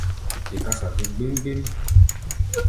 Te kása dúk gbím-gbím.